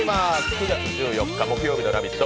９月１４日木曜日の「ラヴィット！」